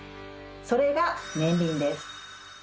それが年輪です。